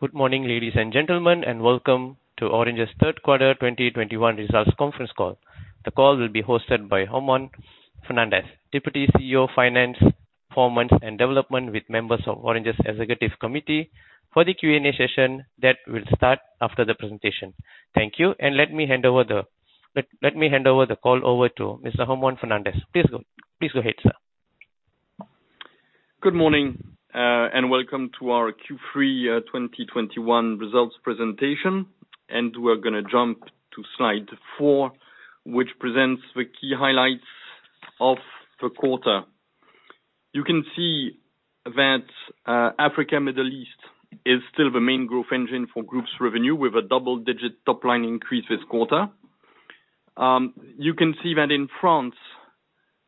Good morning, ladies and gentlemen, and welcome to Orange's Q3 2021 results conference call. The call will be hosted by Ramon Fernandez, Deputy CEO, Finance, Performance and Development with members of Orange's Executive Committee for the Q&A session that will start after the presentation. Thank you and let me hand over the call to Mr. Ramon Fernandez. Please go ahead, sir. Good morning, and welcome to our Q3 2021 results presentation. We're going to jump to slide four, which presents the key highlights of the quarter. You can see that, Africa, Middle East is still the main growth engine for group's revenue with a double-digit top line increase this quarter. You can see that in France,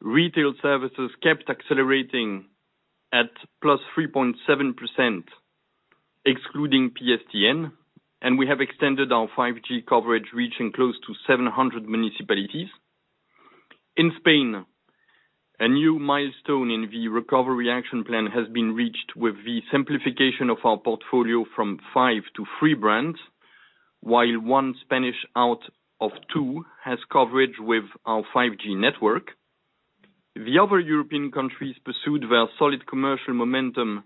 retail services kept accelerating at +3.7% excluding PSTN, and we have extended our 5G coverage, reaching close to 700 municipalities. In Spain, a new milestone in the recovery action plan has been reached with the simplification of our portfolio from five to three brands. While one Spaniard out of two has coverage with our 5G network. The other European countries pursued their solid commercial momentum,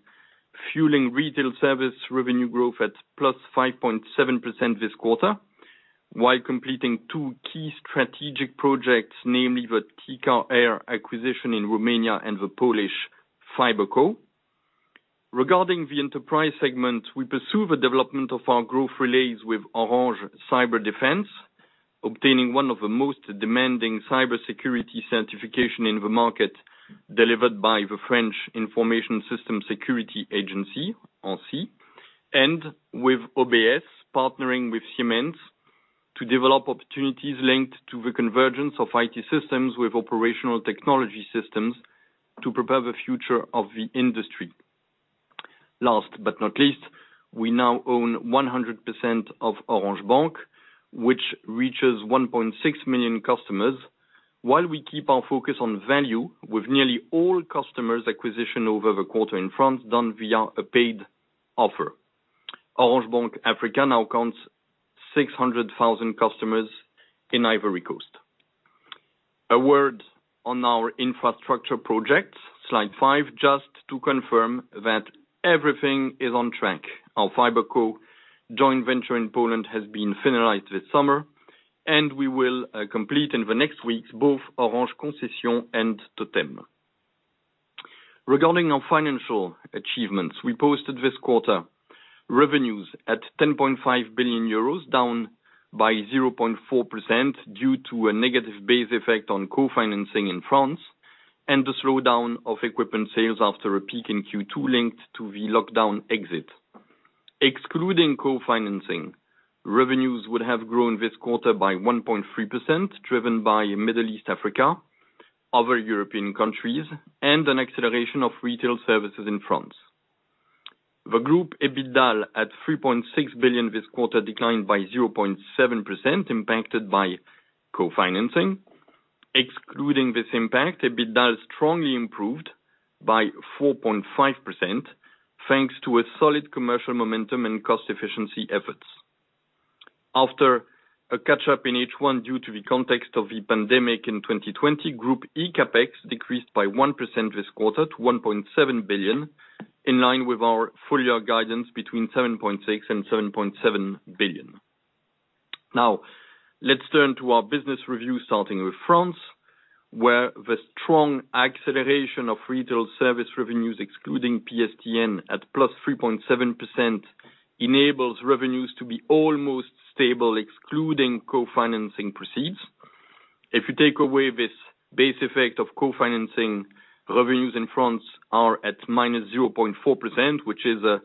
fueling retail service revenue growth at 5.7% this quarter, while completing two key strategic projects, namely the Telekom Romania acquisition in Romania and the Polish FiberCo. Regarding the enterprise segment, we pursue the development of our growth relays with Orange Cyberdefense, obtaining one of the most demanding cybersecurity certifications in the market, delivered by the French national agency for the security of information systems, ANSSI. With OBS partnering with Siemens to develop opportunities linked to the convergence of IT systems with operational technology systems to prepare the future of the industry. Last but not least, we now own 100% of Orange Bank, which reaches 1.6 million customers, while we keep our focus on value with nearly all customers acquisition over the quarter in France done via a paid offer. Orange Bank Africa now counts 600,000 customers in Ivory Coast. A word on our infrastructure projects. Slide five, just to confirm that everything is on track. Our FiberCo joint venture in Poland has been finalized this summer, and we will complete in the next weeks both Orange Concessions and Totem. Regarding our financial achievements, we posted this quarter revenues at 10.5 billion euros, down by 0.4% due to a negative base effect on co-financing in France and the slowdown of equipment sales after a peak in Q2 linked to the lockdown exit. Excluding co-financing, revenues would have grown this quarter by 1.3% driven by Middle East Africa, other European countries, and an acceleration of retail services in France. The group's EBITDA at 3.6 billion this quarter declined by 0.7% impacted by co-financing. Excluding this impact, EBITDA strongly improved by 4.5% thanks to a solid commercial momentum and cost efficiency efforts. After a catch-up in H1 due to the context of the pandemic in 2020, group eCapEx decreased by 1% this quarter to 1.7 billion, in line with our full year guidance between 7.6 billion and 7.7 billion. Now, let's turn to our business review, starting with France, where the strong acceleration of retail service revenues excluding PSTN at +3.7% enables revenues to be almost stable, excluding co-financing proceeds. If you take away this base effect of co-financing, revenues in France are at -0.4%, which is a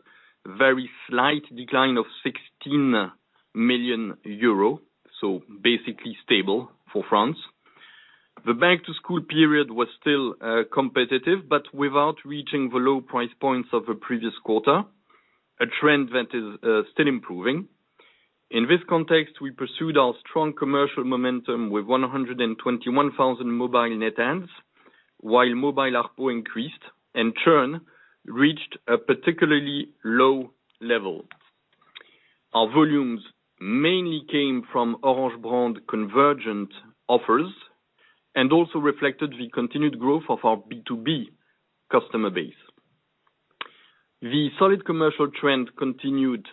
very slight decline of 16 million euro, so basically stable for France. The back-to-school period was still competitive, but without reaching the low price points of the previous quarter, a trend that is still improving. In this context, we pursued our strong commercial momentum with 121,000 mobile net adds, while mobile ARPU increased and churn reached a particularly low level. Our volumes mainly came from Orange brand convergent offers and also reflected the continued growth of our B2B customer base. The solid commercial trend continued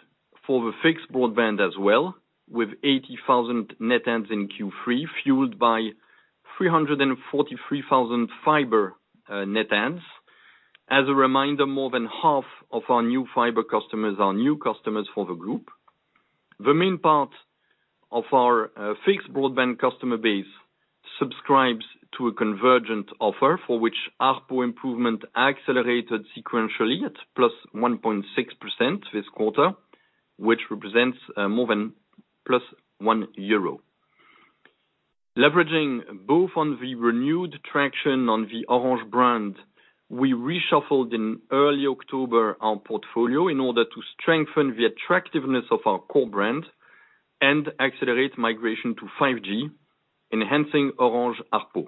for the fixed broadband as well, with 80,000 net adds in Q3, fueled by 343,000 fiber net adds. As a reminder, more than half of our new fiber customers are new customers for the group. The main part of our fixed broadband customer base subscribes to a convergent offer for which ARPU improvement accelerated sequentially at +1.6% this quarter, which represents more than +1 euro. Leveraging both on the renewed traction on the Orange brand, we reshuffled in early October our portfolio in order to strengthen the attractiveness of our core brand and accelerate migration to 5G, enhancing Orange ARPU.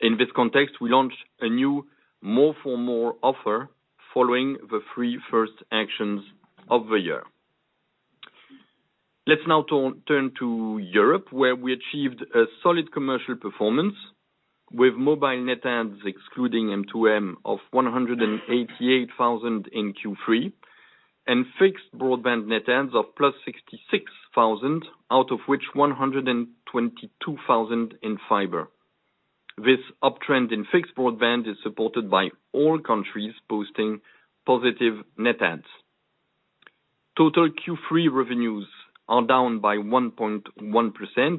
In this context, we launched a new more for more offer following the three first actions of the year. Let's now turn to Europe, where we achieved a solid commercial performance with mobile net adds, excluding M2M of 188,000 in Q3, and fixed broadband net adds of +66,000, out of which 122,000 in fiber. This uptrend in fixed broadband is supported by all countries posting positive net adds. Total Q3 revenues are down by 1.1%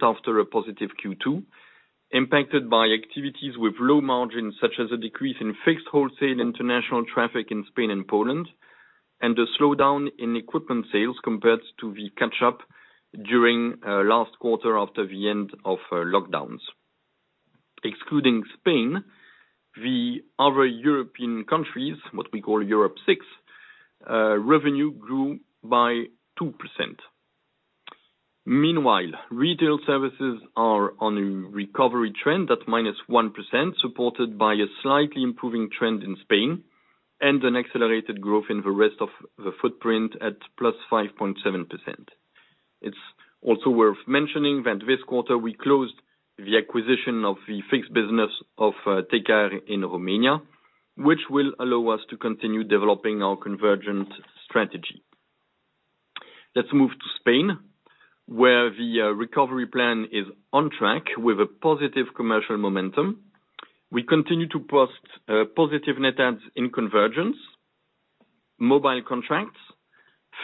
after a positive Q2, impacted by activities with low margins, such as a decrease in fixed wholesale international traffic in Spain and Poland, and a slowdown in equipment sales compared to the catch up during last quarter after the end of lockdowns. Excluding Spain, the other European countries, what we call Europe 6, revenue grew by 2%. Meanwhile, retail services are on a recovery trend at -1%, supported by a slightly improving trend in Spain and an accelerated growth in the rest of the footprint at +5.7%. It's also worth mentioning that this quarter we closed the acquisition of the fixed business of Telekom Romania in Romania, which will allow us to continue developing our convergent strategy. Let's move to Spain, where the recovery plan is on track with a positive commercial momentum. We continue to post positive net adds in convergence, mobile contracts,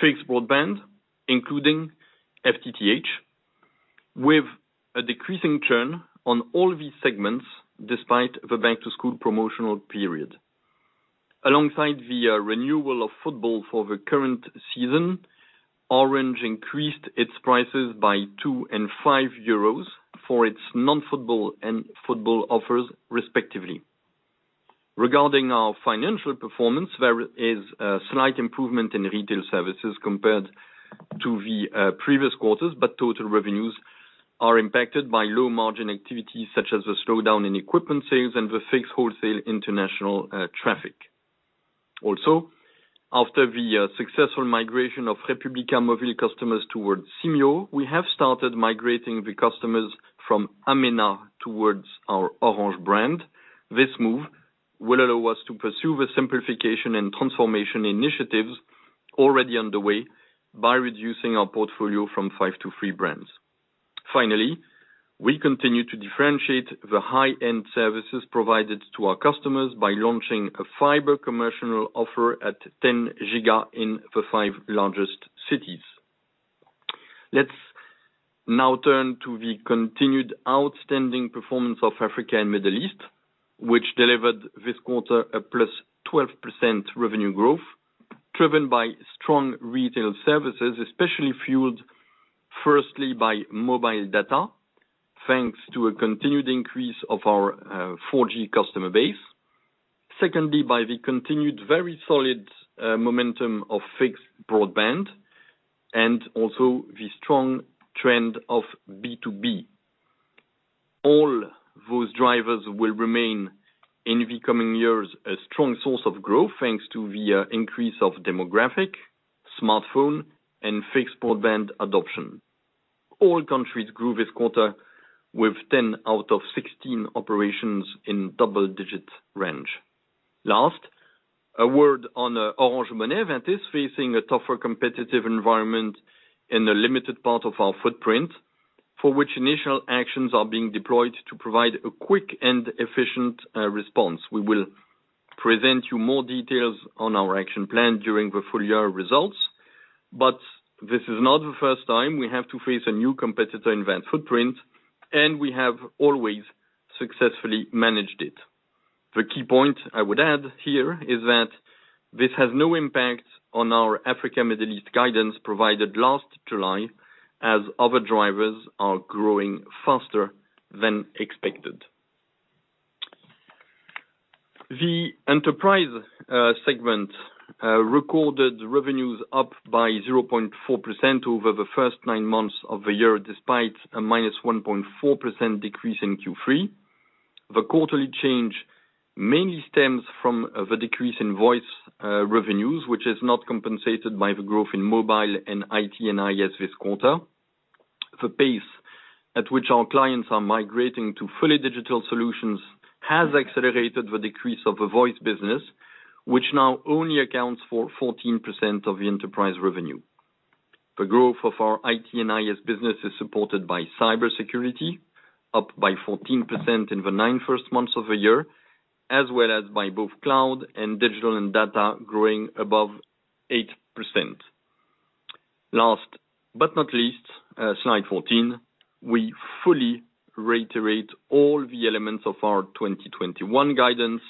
fixed broadband, including FTTH, with a decreasing churn on all these segments despite the back to school promotional period. Alongside the renewal of football for the current season, Orange increased its prices by 2 and 5 euros for its non-football and football offers respectively. Regarding our financial performance, there is a slight improvement in retail services compared to the previous quarters, but total revenues are impacted by low margin activities such as the slowdown in equipment sales and the fixed wholesale international traffic. Also, after the successful migration of República Móvil customers towards Simyo, we have started migrating the customers from Amena towards our Orange brand. This move will allow us to pursue the simplification and transformation initiatives already underway by reducing our portfolio from five to three brands. Finally, we continue to differentiate the high-end services provided to our customers by launching a fiber commercial offer at 10 giga in the five largest cities. Let's now turn to the continued outstanding performance of Africa and Middle East, which delivered this quarter a +12% revenue growth driven by strong retail services, especially fueled firstly by mobile data, thanks to a continued increase of our 4G customer base. Secondly, by the continued very solid momentum of fixed broadband and also the strong trend of B2B. All those drivers will remain in the coming years a strong source of growth thanks to the increase of demographic, smartphone, and fixed broadband adoption. All countries grew this quarter with 10 out of 16 operations in double-digit range. Last, a word on Orange Money that is facing a tougher competitive environment in a limited part of our footprint, for which initial actions are being deployed to provide a quick and efficient response. We will present you more details on our action plan during the full year results, but this is not the first time we have to face a new competitor in that footprint, and we have always successfully managed it. The key point I would add here is that this has no impact on our Africa Middle East guidance provided last July as other drivers are growing faster than expected. The enterprise segment recorded revenues up by 0.4% over the first nine months of the year, despite a -1.4% decrease in Q3. The quarterly change mainly stems from the decrease in voice revenues, which is not compensated by the growth in mobile and IT and IS this quarter. The pace at which our clients are migrating to fully digital solutions has accelerated the decrease of the voice business, which now only accounts for 14% of the enterprise revenue. The growth of our IT and IS business is supported by cybersecurity, up by 14% in the first nine months of the year, as well as by both cloud and digital and data growing above 8%. Last but not least, slide 14, we fully reiterate all the elements of our 2021 guidance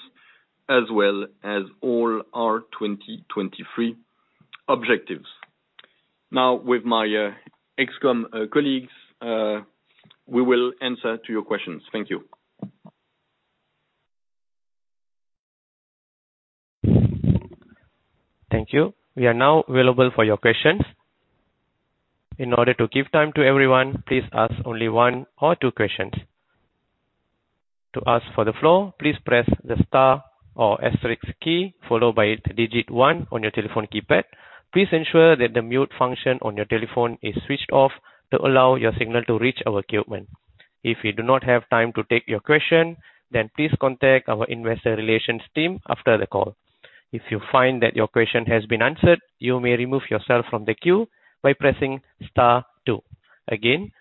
as well as all our 2023 objectives. Now with my ex-com colleagues, we will answer to your questions. Thank you. Thank you. We are now available for your questions. In order to give time to everyone, please ask only one or two questions. To ask for the floor, please press the star or asterisk key, followed by the digit one on your telephone keypad. Please ensure that the mute function on your telephone is switched off to allow your signal to reach our equipment. If we do not have time to take your question, then please contact our investor relations team after the call. If you find that your question has been answered, you may remove yourself from the queue by pressing star two. Again,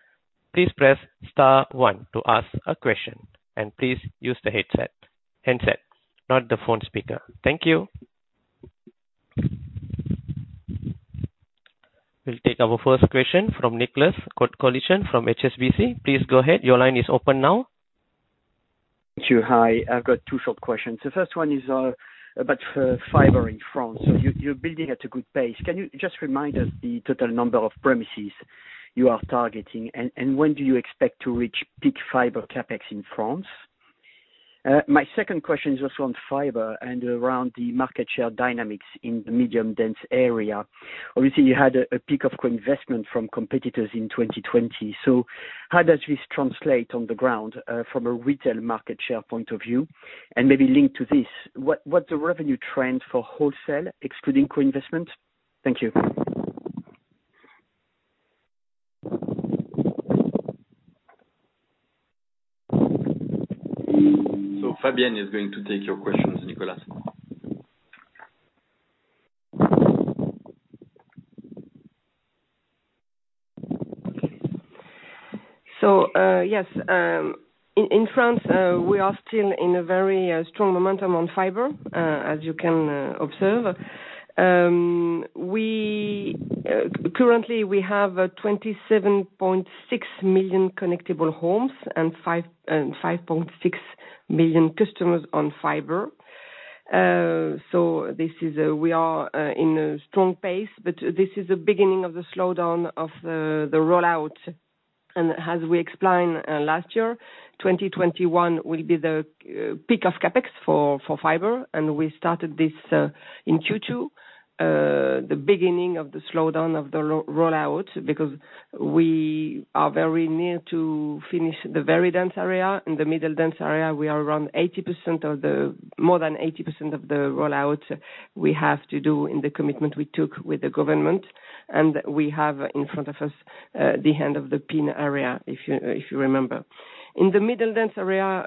please press star one to ask a question, and please use the headset, handset, not the phone speaker. Thank you. We'll take our first question from Nicolas Cote-Colisson from HSBC. Please go ahead. Your line is open now. Thank you. Hi. I've got two short questions. The first one is about fiber in France. So you're building at a good pace. Can you just remind us the total number of premises you are targeting? And when do you expect to reach peak fiber CapEx in France? My second question is also on fiber and around the market share dynamics in the medium-density area. Obviously, you had a peak of co-investment from competitors in 2020. So how does this translate on the ground from a retail market share point of view? And maybe linked to this, what's the revenue trend for wholesale excluding co-investment? Thank you. Fabienne is going to take your questions, Nicolas. Yes, in France, we are still in a very strong momentum on fiber, as you can observe. Currently we have 27.6 million connectable homes and 5.6 million customers on fiber. We are in a strong pace. This is the beginning of the slowdown of the rollout. As we explained last year, 2021 will be the peak of CapEx for fiber. We started this in Q2, the beginning of the slowdown of the rollout, because we are very near to finish the very dense area. In the medium dense area, we are around 80%, more than 80% of the rollout we have to do in the commitment we took with the government. We have in front of us the end of the RIP area, if you remember. In the medium-density area,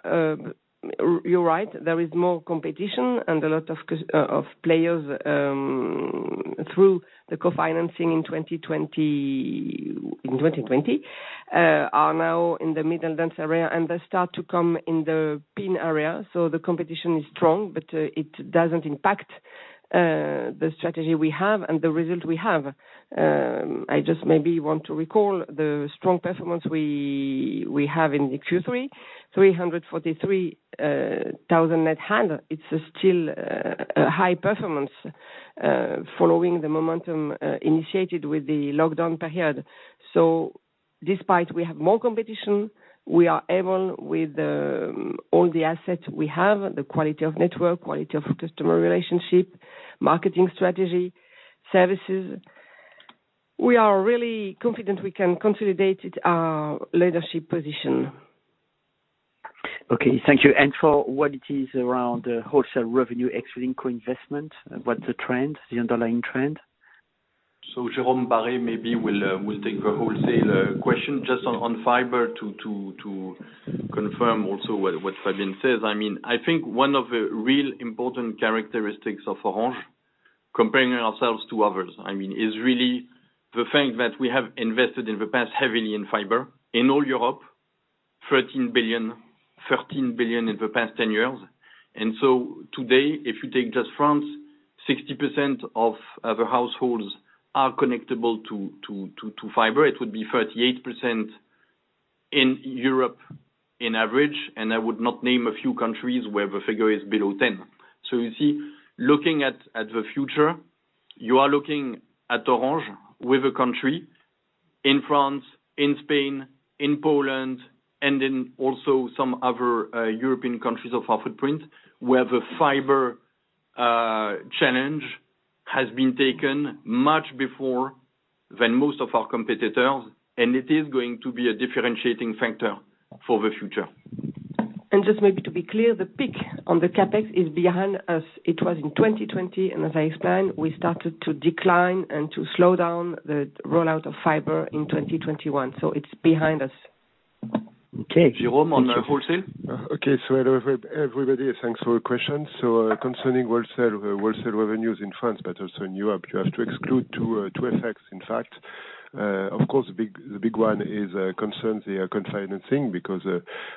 you're right, there is more competition and a lot of players through the co-financing in 2020 are now in the medium-density area, and they start to come in the RIP area. The competition is strong. It doesn't impact the strategy we have and the result we have. I just maybe want to recall the strong performance we have in the Q3, 343 thousand net adds. It's still a high performance following the momentum initiated with the lockdown period. Despite we have more competition, we are able, with, all the assets we have, the quality of network, quality of customer relationship, marketing strategy, services, we are really confident we can consolidate our leadership position. Okay, thank you. For what it is around the wholesale revenue excluding co-investment, what's the trend, the underlying trend? Jérôme Barré maybe will take the wholesale question. Just on fiber to confirm also what Fabienne says. I mean, I think one of the real important characteristics of Orange, comparing ourselves to others, I mean, is really the fact that we have invested in the past heavily in fiber in all Europe, 13 billion in the past 10 years. Today, if you take just France, 60% of the households are connectable to fiber. It would be 38% in Europe in average. I would not name a few countries where the figure is below 10%. You see, looking at the future, you are looking at Orange with a footprint in France, in Spain, in Poland, and also in some other European countries of our footprint, where the fiber challenge has been taken much before than most of our competitors. It is going to be a differentiating factor for the future. Just maybe to be clear, the peak on the CapEx is behind us. It was in 2020. As I explained, we started to decline and to slow down the rollout of fiber in 2021. It's behind us. Okay. Jérôme, on the wholesale. Okay. Hello, everybody. Thanks for your questions. Concerning wholesale revenues in France, but also in Europe, you have to exclude two effects, in fact. Of course, the big one concerns the co-financing because,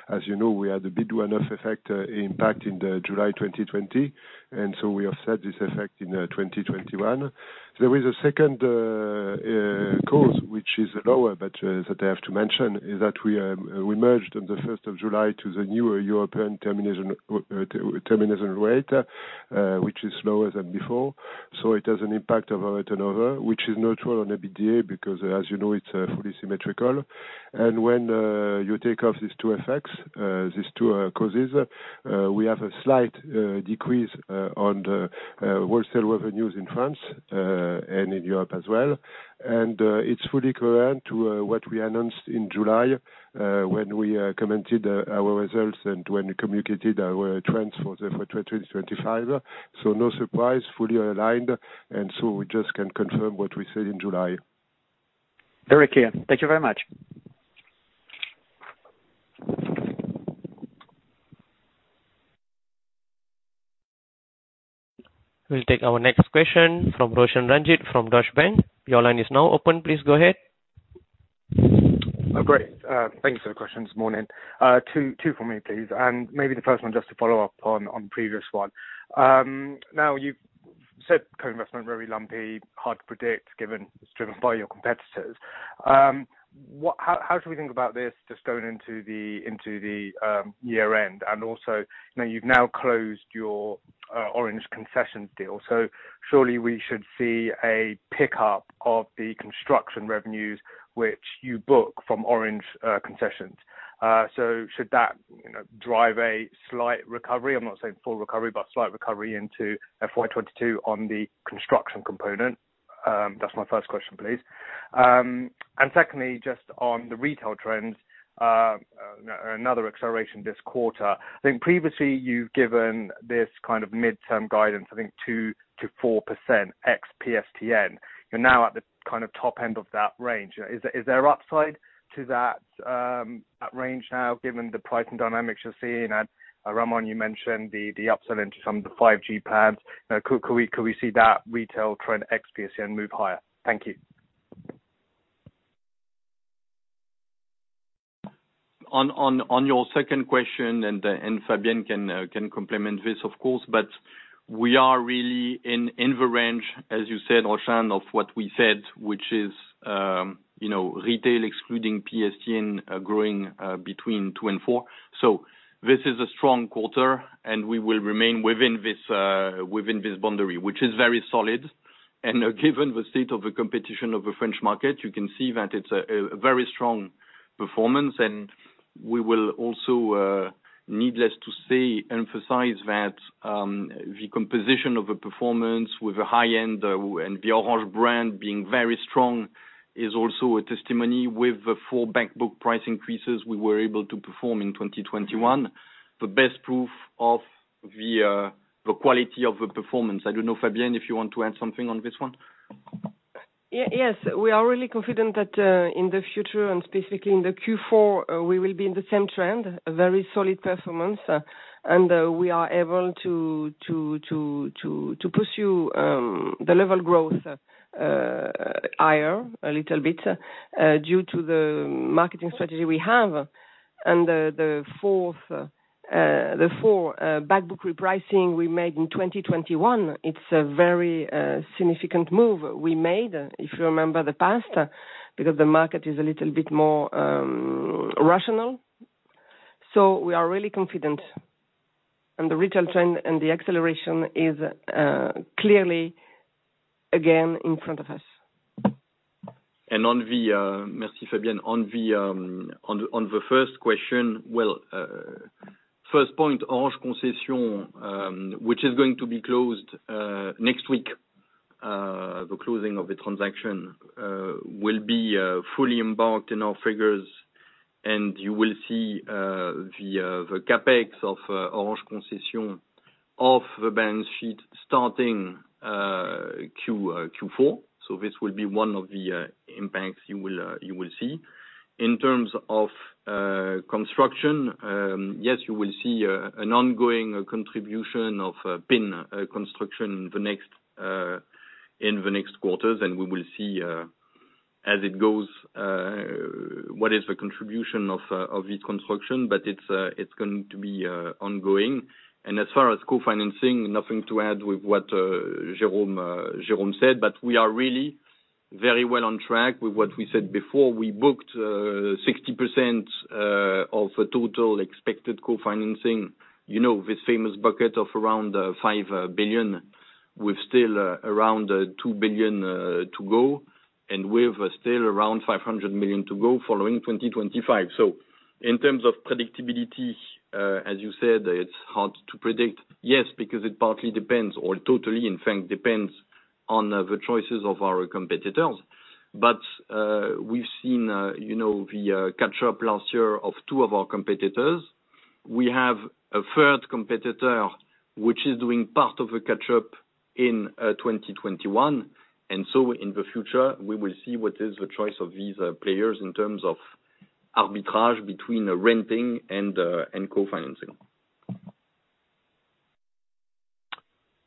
as you know, we had a big one-off effect impact in July 2020. We have set this effect in 2021. There is a second cause which is lower, but that I have to mention, is that we migrated on July 1 to the new European termination rate, which is lower than before. It has an impact on our turnover, which is natural on EBITDA because as you know, it's fully symmetrical. When you take off these two causes, we have a slight decrease on the wholesale revenues in France and in Europe as well. It's fully current to what we announced in July when we commented our results and when we communicated our trends for 2025. No surprise, fully aligned. We just can confirm what we said in July. Very clear. Thank you very much. We'll take our next question from Roshan Ranjit from Deutsche Bank. Your line is now open. Please go ahead. Oh, great. Thank you for the question this morning. Two for me, please. Maybe the first one just to follow up on previous one. Now you've said co-investment very lumpy, hard to predict, given it's driven by your competitors. What, how should we think about this just going into the year end? Also, you know, you've now closed your Orange Concessions deal, so surely we should see a pickup of the construction revenues which you book from Orange Concessions. Should that, you know, drive a slight recovery? I'm not saying full recovery, but slight recovery into FY 2022 on the construction component. That's my first question, please. Secondly, just on the retail trends, another acceleration this quarter. I think previously you've given this kind of midterm guidance, I think 2%-4% ex PSTN. You're now at the kind of top end of that range. Is there upside to that range now, given the pricing dynamics you're seeing? Ramon, you mentioned the upsell into some of the 5G plans. Could we see that retail trend ex PSTN move higher? Thank you. On your second question, Fabienne can complement this of course, but we are really in the range, as you said, Roshan, of what we said, which is, you know, retail excluding PSTN growing between 2% and 4%. This is a strong quarter, and we will remain within this boundary, which is very solid. Given the state of the competition of the French market, you can see that it's a very strong performance. We will also, needless to say, emphasize that, the composition of the performance with the high-end and the Orange brand being very strong is also a testimony to the four back-book price increases we were able to perform in 2021. The best proof of the quality of the performance. I don't know, Fabienne, if you want to add something on this one. Yes. We are really confident that in the future and specifically in the Q4, we will be in the same trend, a very solid performance. We are able to pursue the level growth higher a little bit due to the marketing strategy we have. The fourth back book repricing we made in 2021, it's a very significant move we made, if you remember the past, because the market is a little bit more rational. We are really confident. The retail trend and the acceleration is clearly again in front of us. Merci, Fabienne. On the first question, first point, Orange Concessions, which is going to be closed next week. The closing of the transaction will be fully booked in our figures. You will see the CapEx of Orange Concessions off the balance sheet starting Q4. This will be one of the impacts you will see. In terms of construction, yes, you will see an ongoing contribution of RIP construction in the next quarters. We will see as it goes what is the contribution of this construction, but it's going to be ongoing. As far as co-financing, nothing to add with what Jérôme said, but we are really very well on track with what we said before. We booked 60% of the total expected co-financing. You know, this famous bucket of around 5 billion with still around 2 billion to go and with still around 500 million to go following 2025. In terms of predictability, as you said, it's hard to predict. Yes, because it partly depends or totally in fact depends on the choices of our competitors. We've seen, you know, the catch up last year of two of our competitors. We have a third competitor which is doing part of the catch up in 2021. In the future we will see what is the choice of these players in terms of arbitrage between renting and co-financing.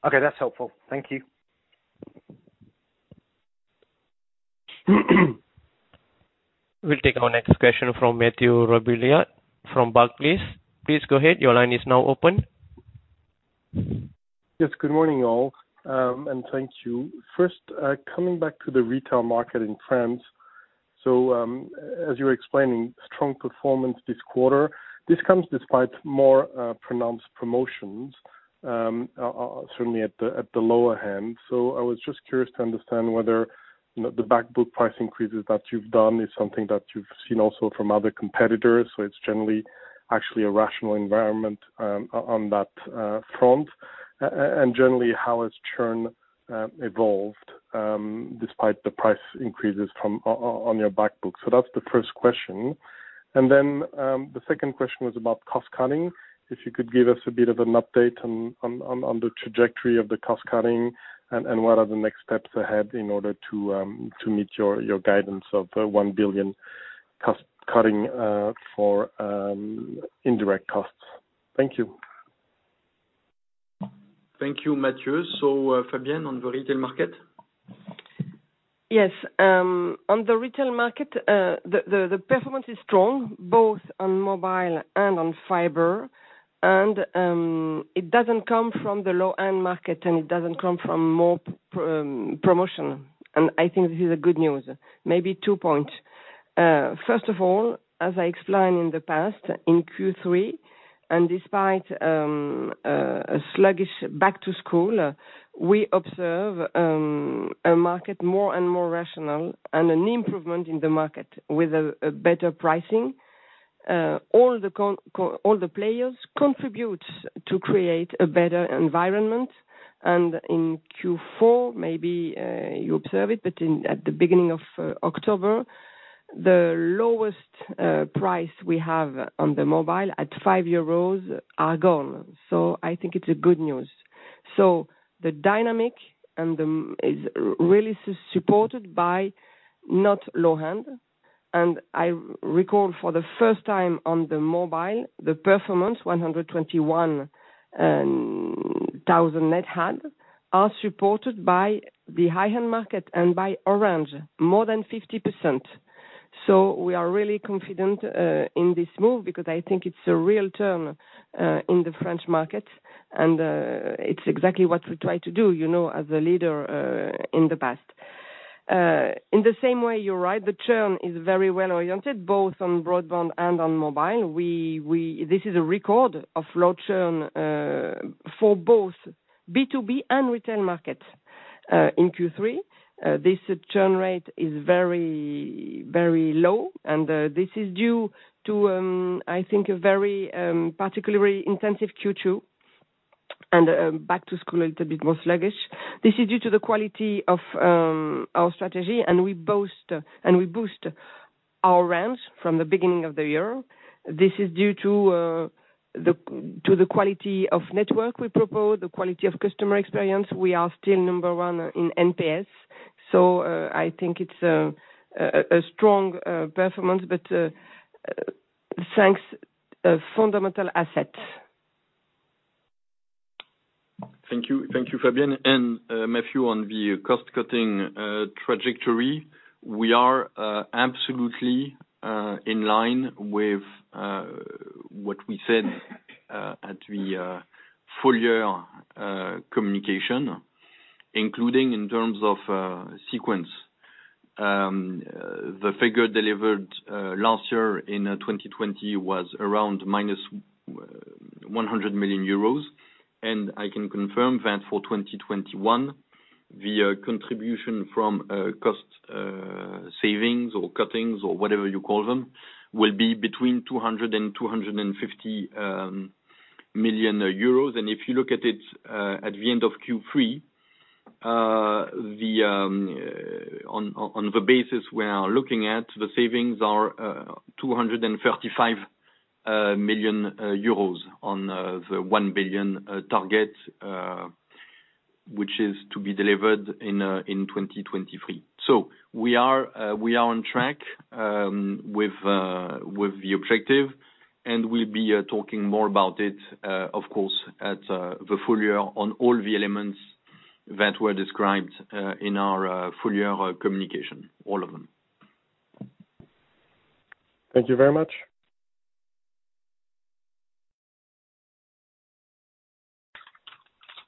Okay, that's helpful. Thank you. We'll take our next question from Mathieu Robilliard from Barclays. Please go ahead. Your line is now open. Yes, good morning, all, and thank you. First, coming back to the retail market in France. As you were explaining, strong performance this quarter. This comes despite more pronounced promotions, certainly at the lower end. I was just curious to understand whether the back book price increases that you've done is something that you've seen also from other competitors, so it's generally actually a rational environment, on that front. And generally, how has churn evolved, despite the price increases on your back book? That's the first question. Then, the second question was about cost cutting. If you could give us a bit of an update on the trajectory of the cost cutting and what are the next steps ahead in order to meet your guidance of 1 billion cost cutting for indirect costs. Thank you. Thank you, Mathieu Robilliard. Fabienne, on the retail market. Yes. On the retail market, the performance is strong both on mobile and on fiber. It doesn't come from the low-end market, and it doesn't come from more promotion. I think this is good news. Maybe two points. First of all, as I explained in the past, in Q3 and despite a sluggish back to school, we observe a market more and more rational and an improvement in the market with better pricing. All the players contribute to create a better environment. In Q4, maybe you observe it, but at the beginning of October, the lowest price we have on the mobile at 5 euros are gone. I think it's good news. The dynamics and the momentum is really supported by the high end. I recall for the first time in the mobile, the performance 121,000 net adds are supported by the high-end market and by Orange, more than 50%. We are really confident in this move because I think it's a real turn in the French market. It's exactly what we try to do, you know, as a leader in the past. In the same way, you're right, the churn is very well oriented, both on broadband and on mobile. This is a record of low churn for both B2B and retail market in Q3. This churn rate is very, very low. This is due to, I think, a very particularly intensive Q2 and back to school, it's a bit more sluggish. This is due to the quality of our strategy, and we boost our ramps from the beginning of the year. This is due to the quality of network we propose, the quality of customer experience. We are still number one in NPS. I think it's a strong performance, but thanks to fundamental asset. Thank you. Thank you, Fabienne. Mathieu, on the cost cutting trajectory, we are absolutely in line with what we said at the full year communication, including in terms of sequence. The figure delivered last year in 2020 was around -100 million euros. I can confirm that for 2021, the contribution from cost savings or cuttings or whatever you call them will be between 200 million euros and EUR 250 million. If you look at it at the end of Q3, on the basis we are looking at, the savings are 235 million euros on the 1 billion target which is to be delivered in 2023. We are on track with the objective, and we'll be talking more about it, of course, at the full year on all the elements that were described in our full year communication. All of them. Thank you very much.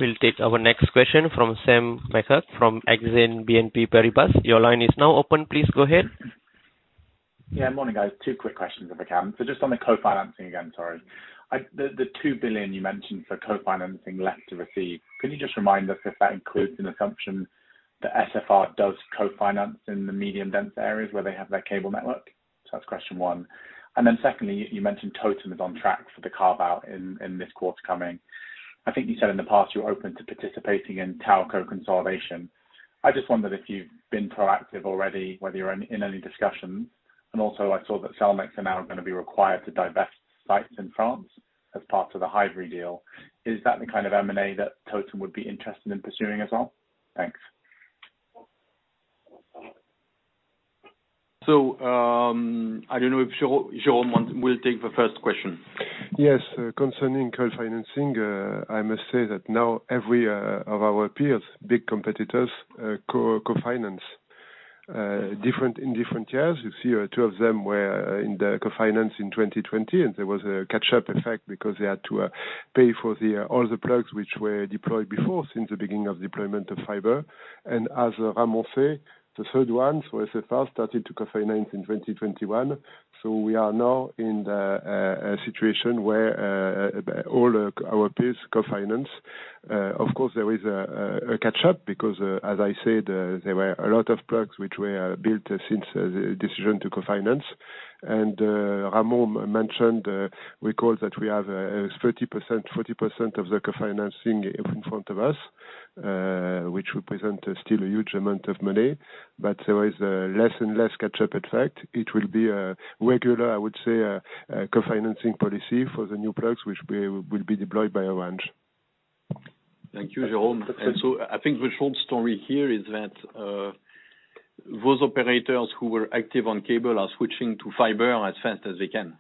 We'll take our next question from Sam McHugh from Exane BNP Paribas. Your line is now open. Please go ahead. Yeah. Morning, guys. two quick questions if I can. Just on the co-financing again, sorry. The 2 billion you mentioned for co-financing left to receive; can you just remind us if that includes an assumption that SFR does co-finance in the medium-density areas where they have their cable network? That's question one. Secondly, you mentioned Totem is on track for the carve-out in this quarter coming. I think you said in the past, you're open to participating in telco consolidation. I just wondered if you've been proactive already, whether you're in any discussions. Also, I saw that Cellnex are now going to be required to divest sites in France as part of the Hivory deal. Is that the kind of M&A that Totem would be interested in pursuing as well? Thanks. I don't know if Jérôme will take the first question. Yes. Concerning co-financing, I must say that now every one of our peers, big competitors, co-finance. Different in different years. You see two of them were in the co-financing in 2020, and there was a catch-up effect because they had to pay for all the products which were deployed before, since the beginning of deployment of fiber. As Ramon said, the third one, so SFR, started to co-finance in 2021. We are now in the situation where all our peers co-finance. Of course, there is a catch-up because, as I said, there were a lot of products which were built since the decision to co-finance. Ramon mentioned we have 30%-40% of the co-financing in front of us, which represent still a huge amount of money. There is less and less catch-up effect. It will be a regular, I would say, co-financing policy for the new products which will be deployed by Orange. Thank you, Jérôme. I think the short story here is that those operators who were active on cable are switching to fiber as fast as they can.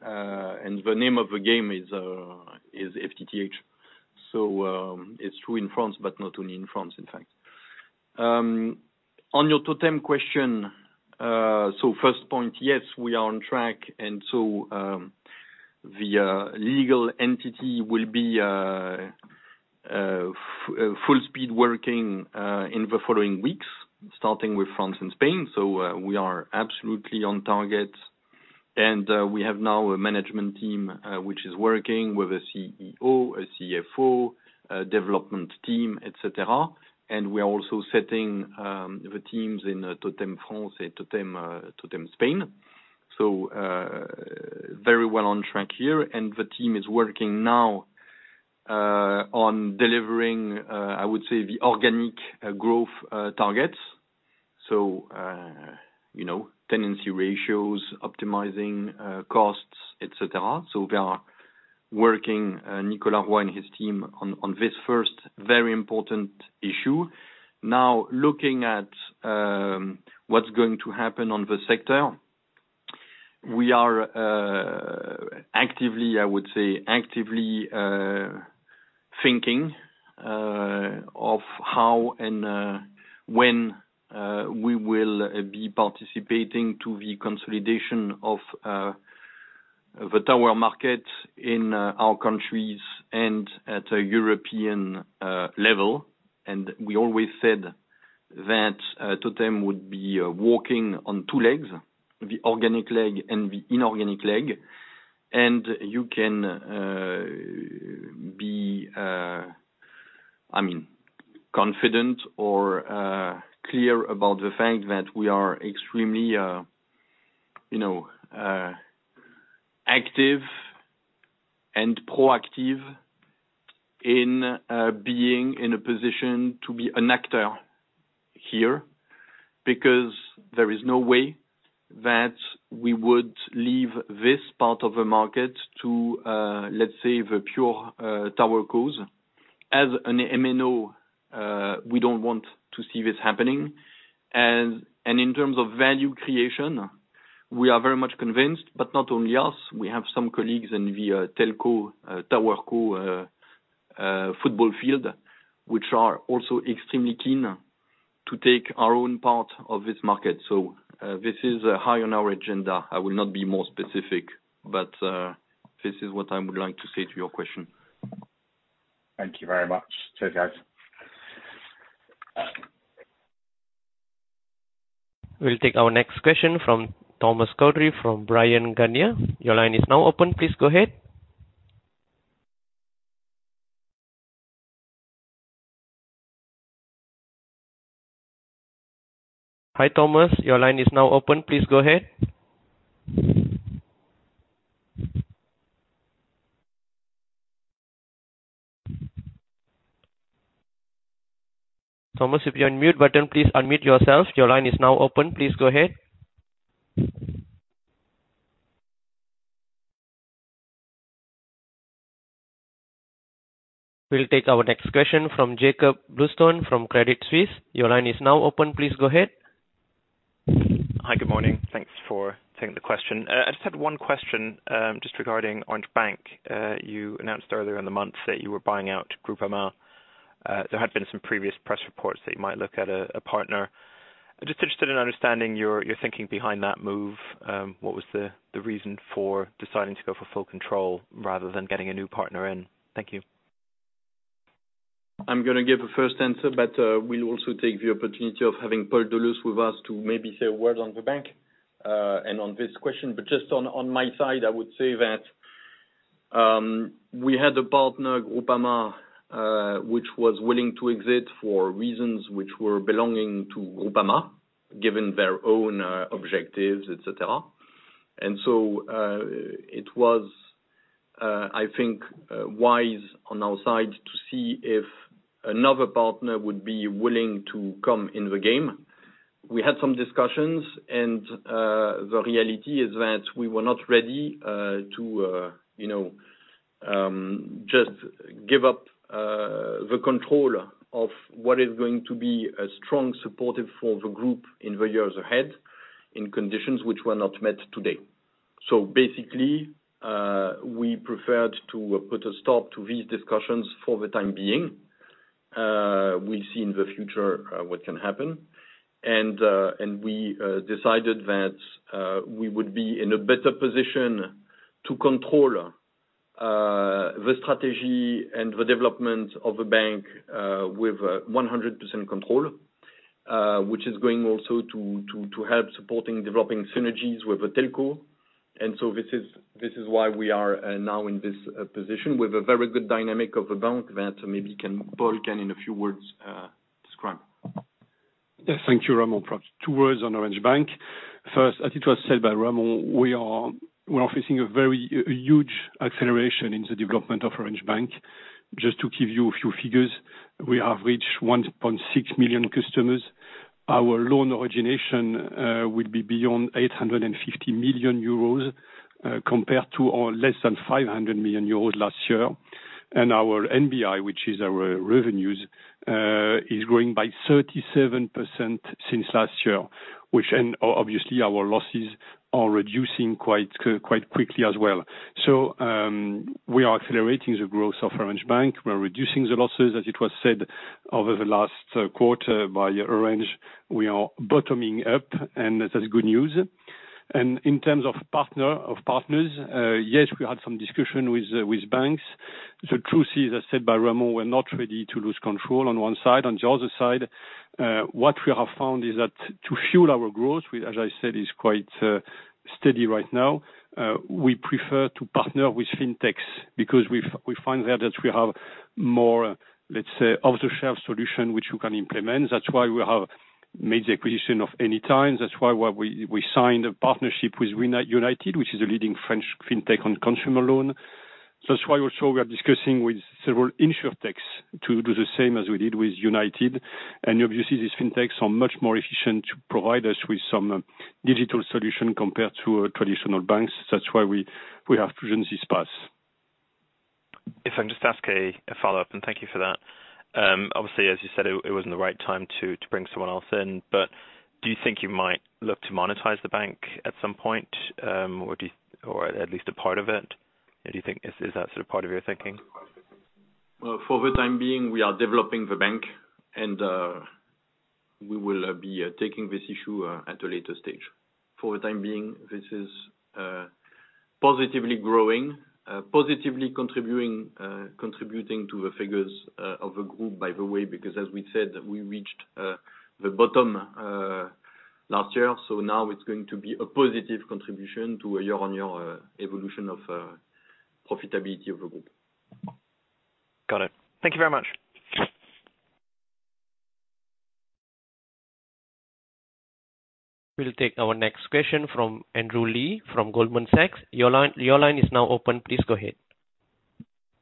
The name of the game is FTTH. It's true in France, but not only in France, in fact. On your Totem question, first point, yes, we are on track. The legal entity will be full speed working in the following weeks, starting with France and Spain. We are absolutely on target. We have now a management team which is working with a CEO, a CFO, a development team, et cetera. We are also setting the teams in Totem France and Totem Spain. Very well on track here. The team is working now on delivering, I would say the organic growth targets. You know, tenancy ratios, optimizing costs, et cetera. We are working, Nicolas Roy and his team on this first very important issue. Now, looking at what's going to happen on the sector, we are actively, I would say, thinking of how and when we will be participating to the consolidation of the tower market in our countries and at a European level. We always said that Totem would be walking on two legs, the organic leg and the inorganic leg. You can be confident or clear about the fact that we are extremely you know active and proactive in being in a position to be an actor here, because there is no way that we would leave this part of the market to, let's say, the pure tower co. As an MNO, we don't want to see this happening. In terms of value creation, we are very much convinced, but not only us, we have some colleagues in the telco tower co football field, which are also extremely keen to take our own part of this market. This is high on our agenda. I will not be more specific, but this is what I would like to say to your question. Thank you very much. Cheers, guys. We'll take our next question from Thomas Coudry from Bryan, Garnier & Co. Your line is now open. Please go ahead. Hi, Thomas. Your line is now open. Please go ahead. Thomas, if you're on mute button, please unmute yourself. Your line is now open. Please go ahead. We'll take our next question from Jakob Bluestone from Credit Suisse. Your line is now open. Please go ahead. Hi. Good morning. Thanks for taking the question. I just had one question, just regarding Orange Bank. You announced earlier in the month that you were buying out Groupama. There had been some previous press reports that you might look at a partner. Just interested in understanding your thinking behind that move. What was the reason for deciding to go for full control rather than getting a new partner in? Thank you. I'm going to give a first answer, but we'll also take the opportunity of having Paul de Leusse with us to maybe say a word on the bank and on this question. But just on my side, I would say that we had a partner, Groupama, which was willing to exit for reasons which were belonging to Groupama, given their own objectives, et cetera. It was, I think, wise on our side to see if another partner would be willing to come in the game. We had some discussions, and the reality is that we were not ready to you know just give up the control of what is going to be a strong supportive for the group in the years ahead, in conditions which were not met today. Basically, we preferred to put a stop to these discussions for the time being. We see in the future what can happen. We decided that we would be in a better position to control the strategy and the development of a bank with 100% control. Which is going also to help supporting developing synergies with the telco. This is why we are now in this position with a very good dynamic of the bank that Paul can in a few words describe. Yes. Thank you, Ramon. Perhaps two words on Orange Bank. First, as it was said by Ramon, we are facing a very huge acceleration in the development of Orange Bank. Just to give you a few figures, we have reached 1.6 million customers. Our loan origination will be beyond 850 million euros compared to our less than 500 million euros last year. Our NBI, which is our revenues, is growing by 37% since last year, which then obviously our losses are reducing quite quickly as well. We are accelerating the growth of Orange Bank. We're reducing the losses, as it was said, over the last quarter by Orange. We are bottoming up, and that's good news. In terms of partners, yes, we had some discussion with banks. The truth is, as said by Ramon, we're not ready to lose control on one side. On the other side, what we have found is that to fuel our growth, which as I said, is quite steady right now, we prefer to partner with FinTechs. Because we find there that we have more, let's say, off-the-shelf solution which you can implement. That's why we have made the acquisition of Anyyme. That's why we signed a partnership with Younited, which is a leading French FinTech on consumer loan. That's why also we are discussing with several InsurTechs to do the same as we did with Younited. Obviously these FinTechs are much more efficient to provide us with some digital solution compared to traditional banks. That's why we have chosen this path. If I can just ask a follow-up, and thank you for that. Obviously, as you said, it wasn't the right time to bring someone else in. Do you think you might look to monetize the bank at some point, or at least a part of it? Is that sort of part of your thinking? Well, for the time being, we are developing the bank, and we will be taking this issue at a later stage. For the time being, this is positively growing, positively contributing to the figures of the group, by the way, because as we said, we reached the bottom last year. Now it's going to be a positive contribution to a year-on-year evolution of profitability of the group. Got it. Thank you very much. We'll take our next question from Andrew Lee from Goldman Sachs. Your line is now open. Please go ahead.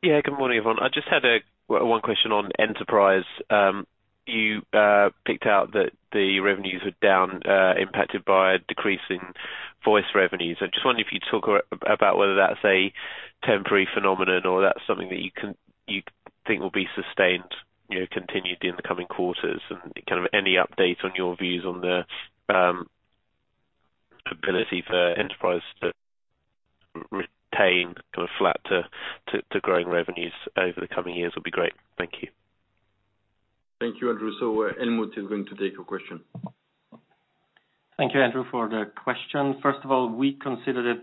Yeah, good morning, everyone. I just had one question on enterprise. You picked out that the revenues are down, impacted by a decrease in voice revenues. I just wonder if you'd talk about whether that's a temporary phenomenon or that's something that you think will be sustained, you know, continued in the coming quarters. Kind of any update on your views on the ability for enterprise to retain kind of flat to growing revenues over the coming years would be great. Thank you. Thank you, Andrew. Helmut is going to take your question. Thank you, Andrew, for the question. First of all, we consider that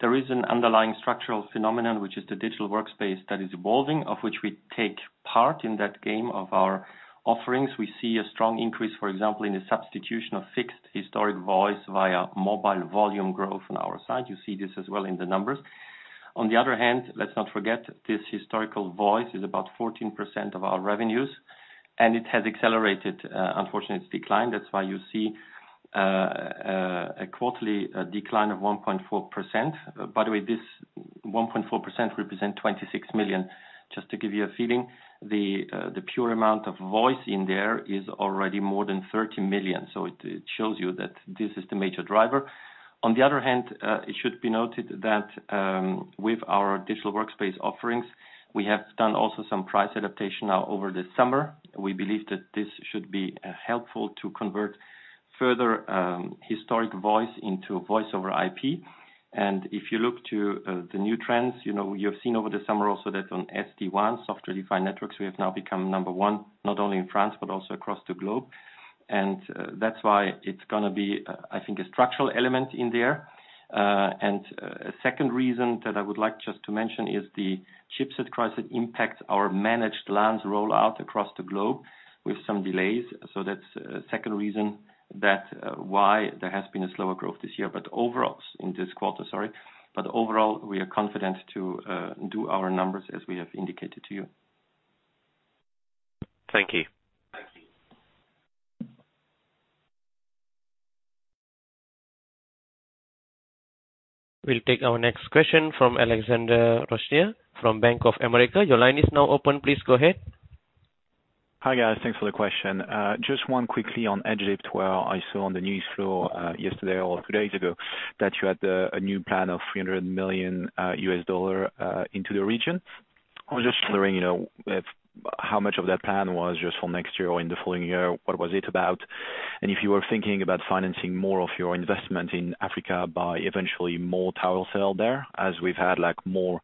there is an underlying structural phenomenon, which is the digital workspace that is evolving, of which we take part in that game of our offerings. We see a strong increase, for example, in the substitution of fixed historic voice via mobile volume growth on our side. You see this as well in the numbers. On the other hand, let's not forget this historical voice is about 14% of our revenues, and it has accelerated, unfortunately, its decline. That's why you see a quarterly decline of 1.4%. By the way, this 1.4% represent 26 million, just to give you a feeling. The pure amount of voice in there is already more than 30 million. It shows you that this is the major driver. On the other hand, it should be noted that, with our digital workspace offerings, we have done also some price adaptation now over the summer. We believe that this should be helpful to convert further, historic voice into Voice over IP. If you look to the new trends, you know, you've seen over the summer also that on SD-WAN, Software Defined Networks, we have now become number one, not only in France, but also across the globe. And that's why it's going to be, I think, a structural element in there. And a second reason that I would like just to mention is the chipset crisis impacts our Managed LANs rollout across the globe with some delays. So that's a second reason why there has been a slower growth this year. Overall in this quarter, sorry. Overall, we are confident to do our numbers as we have indicated to you. Thank you. Thank you. We'll take our next question from Alexandre Bouchira from Bank of America. Your line is now open. Please go ahead. Hi, guys. Thanks for the question. Just one quickly on Egypt, where I saw on the newsfeed yesterday or two days ago that you had a new plan of $300 million into the region. I was just wondering, you know, how much of that plan was just for next year or in the following year? What was it about? If you were thinking about financing more of your investment in Africa by eventually more tower sale there, as we've had like more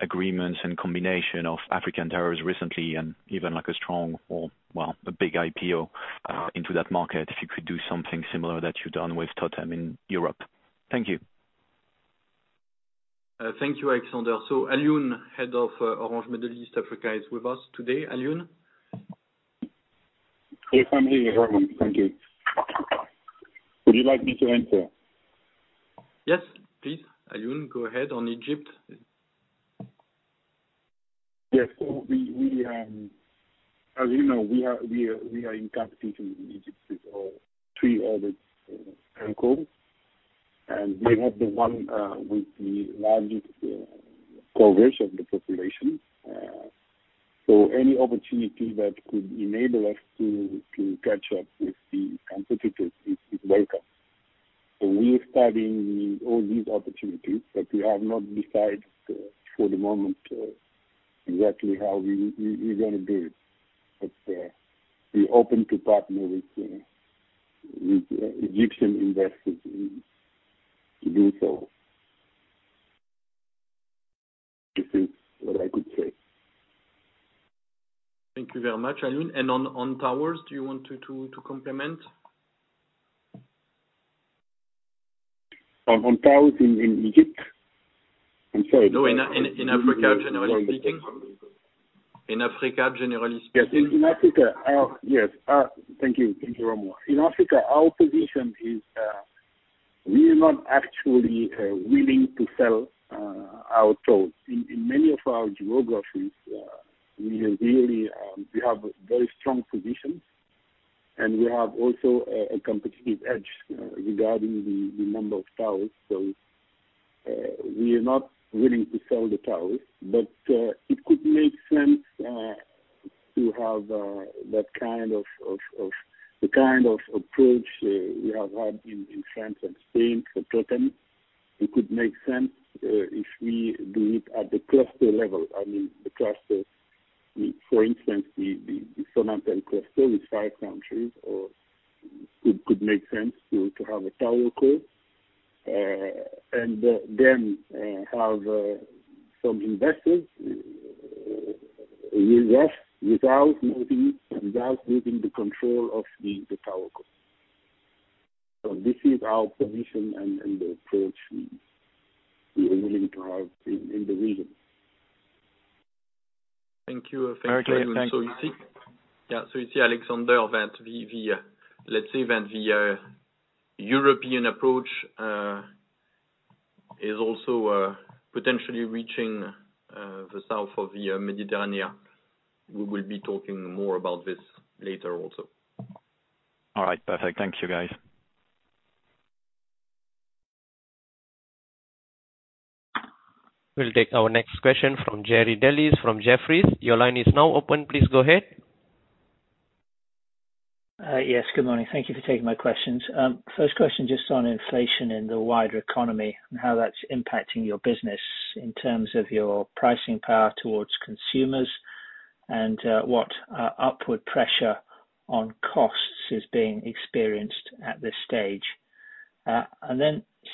agreements and combination of African towers recently and even like a strong, well, a big IPO into that market, if you could do something similar that you've done with Totem in Europe. Thank you. Thank you, Alexander. Alioune, Head of Orange Middle East and Africa, is with us today. Alioune? Yes, I'm here, Ramon Thank you. Would you like me to answer? Yes, please. Alioune, go ahead on Egypt. Yes. As you know, we are in competition with Egypt's three other telcos, and they have the one with the largest coverage of the population. Any opportunity that could enable us to catch up with the competitors is welcome. We are studying all these opportunities, but we have not decided, for the moment, exactly how we're going to do it. We're open to partner with Egyptian investors to do so. This is what I could say. Thank you very much, Alioune. On towers, do you want to complement? On towers in Egypt? I'm sorry. No. In Africa generally speaking. Thank you, Ramon. In Africa, our position is we are not actually willing to sell our towers. In many of our geographies, we have really very strong positions, and we have also a competitive edge regarding the number of towers. We are not willing to sell the towers, but it could make sense to have that kind of approach we have had in France and Spain for Totem. It could make sense if we do it at the cluster level. I mean, the cluster, for instance, the southern cluster with five countries could make sense to have a tower co. Have some investors invest without moving the control of the tower co. This is our position and approach we are willing to have in the region. Thank you. Thank you, Alioune. Okay. Thank you. You see, Alexander, that the let's say that the European approach is also potentially reaching the south of the Mediterranean. We will be talking more about this later also. All right. Perfect. Thank you, guys. We'll take our next question from Jerry Dellis from Jefferies. Your line is now open. Please go ahead. Yes. Good morning. Thank you for taking my questions. First question, just on inflation in the wider economy and how that's impacting your business in terms of your pricing power towards consumers and what upward pressure on costs is being experienced at this stage.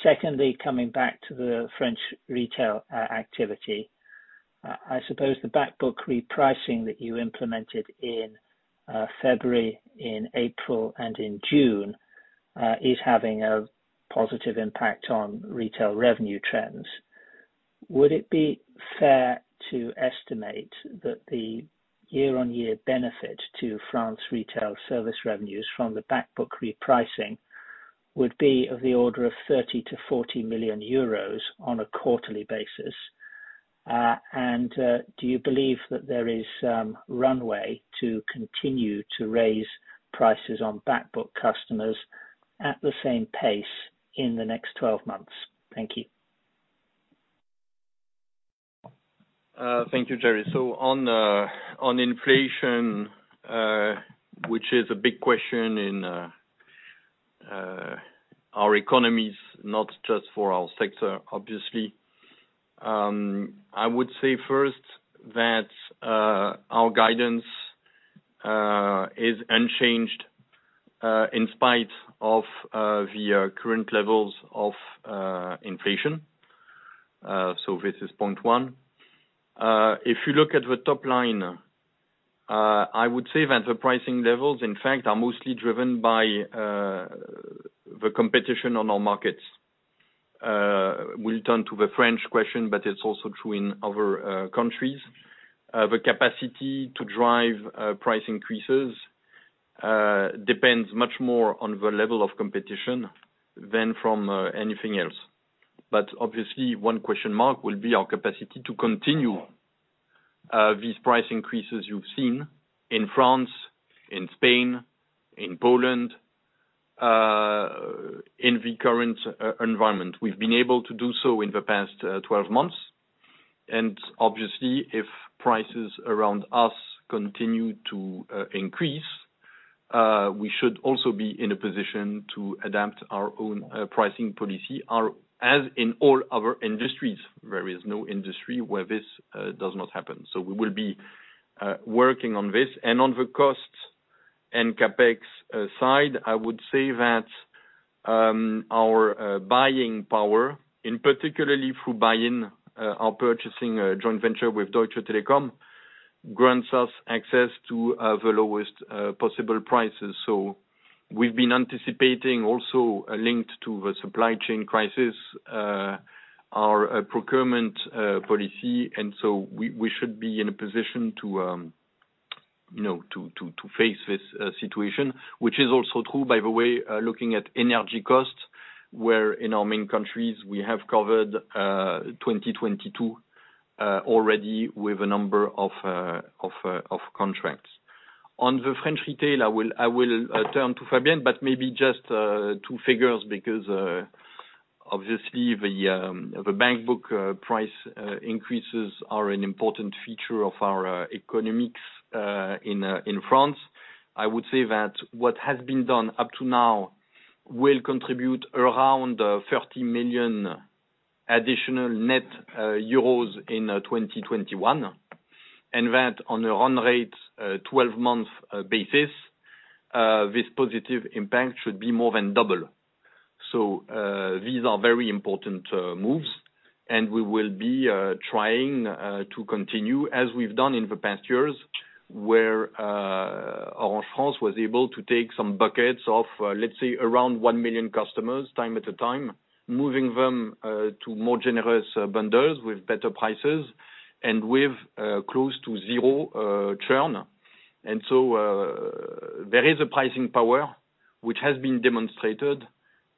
Secondly, coming back to the French retail activity, I suppose the back book repricing that you implemented in February, in April and in June is having a positive impact on retail revenue trends. Would it be fair to estimate that the year-on-year benefit to French retail service revenues from the back book repricing would be of the order of 30-40 million euros on a quarterly basis? Do you believe that there is runway to continue to raise prices on back book customers at the same pace in the next 12 months? Thank you. Thank you, Jerry. On inflation, which is a big question in our economies, not just for our sector, obviously, I would say first that our guidance is unchanged in spite of the current levels of inflation. This is point one. If you look at the top line, I would say that the pricing levels, in fact, are mostly driven by the competition on our markets. We'll turn to the French question, but it's also true in other countries. The capacity to drive price increases depends much more on the level of competition than from anything else. Obviously, one question mark will be our capacity to continue these price increases you've seen in France, in Spain, in Poland, in the current environment. We've been able to do so in the past 12 months. Obviously, if prices around us continue to increase, we should also be in a position to adapt our own pricing policy, as in all other industries. There is no industry where this does not happen. We will be working on this. On the costs and CapEx side, I would say that our buying power, in particular through BuyIn, our purchasing joint venture with Deutsche Telekom, grants us access to the lowest possible prices. We've been anticipating, also linked to the supply chain crisis, our procurement policy. We should be in a position to, you know, face this situation. Which is also true, by the way, looking at energy costs, where in our main countries we have covered 2022 already with a number of contracts. On the French retail, I will turn to Fabienne, but maybe just two figures because obviously the backbone price increases are an important feature of our economics in France. I would say that what has been done up to now will contribute around 30 million additional net in 2021. On a run-rate 12-month basis, this positive impact should be more than double. These are very important moves and we will be trying to continue as we've done in the past years, where Orange France was able to take some buckets of, let's say around 1 million customers at a time, moving them to more generous bundles with better prices and with close to zero churn. There is a pricing power which has been demonstrated,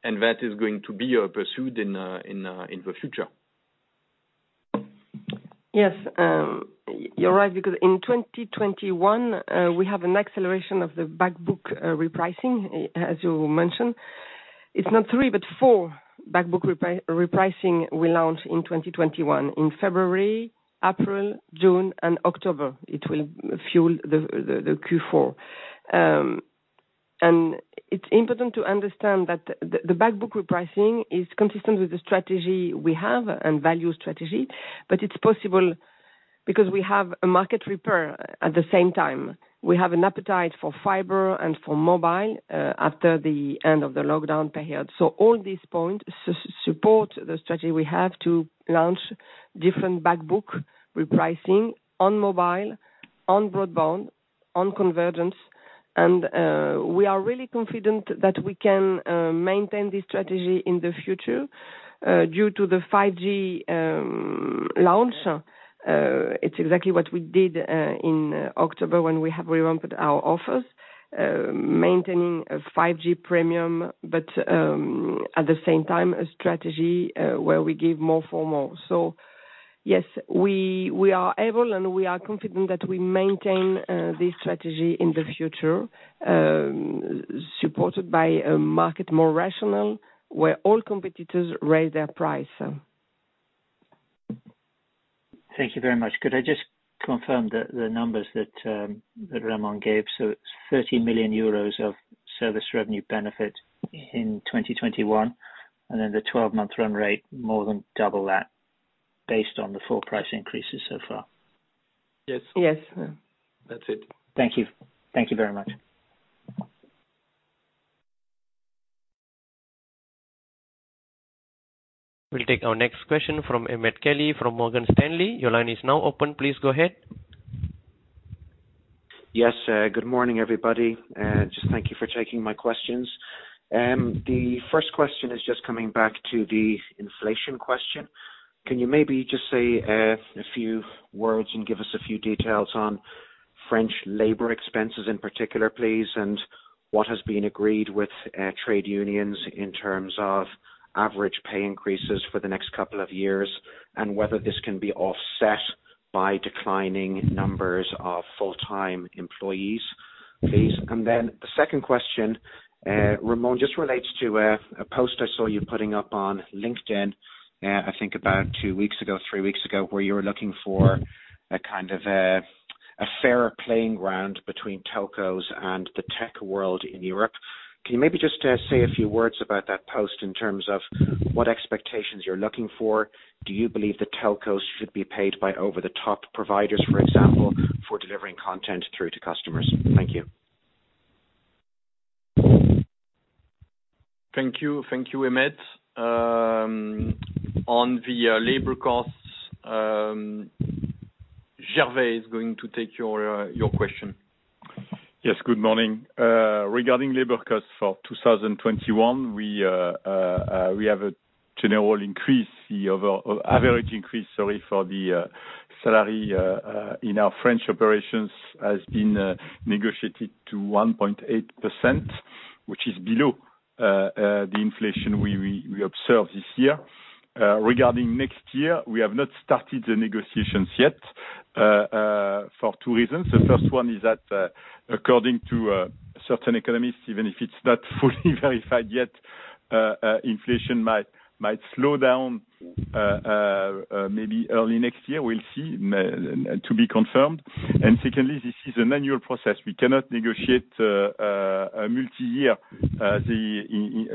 and that is going to be pursued in the future. Yes. You're right, because in 2021, we have an acceleration of the back book repricing, as you mentioned. It's not three, but four back book repricing we launch in 2021 in February, April, June and October. It will fuel the Q4. It's important to understand that the back book repricing is consistent with the strategy we have and value strategy, but it's possible because we have a market repair at the same time. We have an appetite for fiber and for mobile after the end of the lockdown period. All these points support the strategy we have to launch different back book repricing on mobile, on broadband, on convergence. We are really confident that we can maintain this strategy in the future due to the 5G launch. It's exactly what we did in October when we have revamped our offers. Maintaining a 5G premium, but at the same time, a strategy where we give more for more. Yes, we are able and we are confident that we maintain this strategy in the future, supported by a market more rational, where all competitors raise their price. Thank you very much. Could I just confirm the numbers that Ramon gave? It's 30 million euros of service revenue benefit in 2021, and then the 12-month run rate more than double that based on the full price increases so far. Yes. Yes. That's it. Thank you. Thank you very much. We'll take our next question from Emmet Kelly, from Morgan Stanley. Your line is now open. Please go ahead. Yes. Good morning, everybody. Just thank you for taking my questions. The first question is just coming back to the inflation question. Can you maybe just say a few words and give us a few details on French labor expenses in particular, please, and what has been agreed with trade unions in terms of average pay increases for the next couple of years, and whether this can be offset by declining numbers of full-time employees, please? The second question, Ramon, just relates to a post I saw you putting up on LinkedIn, I think about two weeks ago, three weeks ago, where you were looking for a kind of a fairer playing ground between telcos and the tech world in Europe. Can you maybe just say a few words about that post in terms of what expectations you're looking for? Do you believe that telcos should be paid by over the top providers, for example, for delivering content through to customers? Thank you. Thank you. Thank you, Emmet. On the labor costs, Gervais is going to take your question. Yes, good morning. Regarding labor costs for 2021, we have an average increase, sorry, for the salary in our French operations has been negotiated to 1.8%, which is below the inflation we observed this year. Regarding next year, we have not started the negotiations yet for two reasons. The first one is that, according to certain economists, even if it's not fully verified yet, inflation might slow down maybe early next year. We'll see. To be confirmed. Secondly, this is an annual process. We cannot negotiate a multi-year.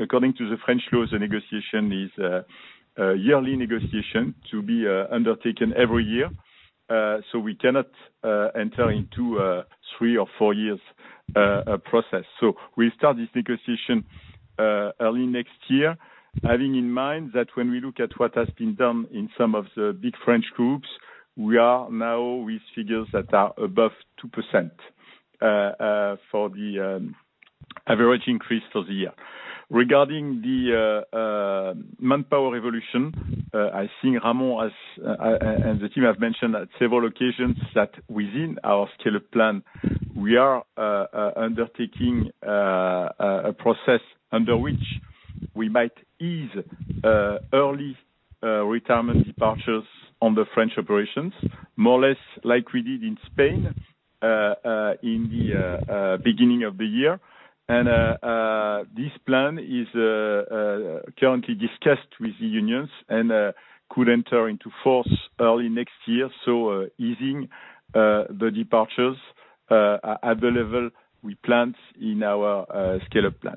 According to the French laws, the negotiation is a yearly negotiation to be undertaken every year. We cannot enter into three- or four-years process. We start this negotiation early next year, having in mind that when we look at what has been done in some of the big French groups, we are now with figures that are above 2% for the average increase for the year. Regarding the manpower evolution, I think Ramon has and the team have mentioned at several occasions that within our Engage 2025, we are undertaking a process under which we might ease early retirement departures on the French operations, more or less like we did in Spain in the beginning of the year. This plan is currently discussed with the unions and could enter into force early next year. Easing the departures at the level we planned in our Engage 2025.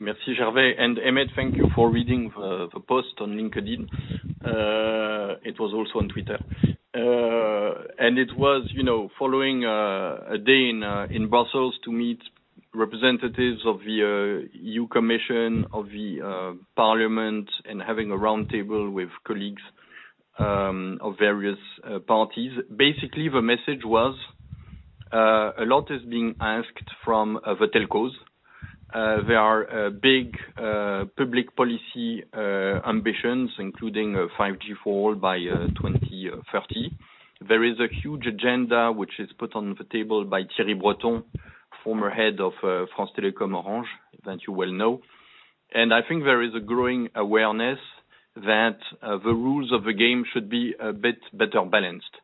Merci, Gervais. Emmet, thank you for reading the post on LinkedIn. It was also on Twitter. It was, you know, following a day in Brussels to meet representatives of the European Commission, of the parliament, and having a round table with colleagues of various parties. Basically, the message was a lot is being asked from the telcos. There are big public policy ambitions, including a 5G for all by 2030. There is a huge agenda which is put on the table by Thierry Breton, former head of France Télécom Orange, that you well know. I think there is a growing awareness that the rules of the game should be a bit better balanced.